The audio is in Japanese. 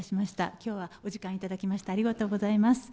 きょうはお時間いただきましてありがとうございます。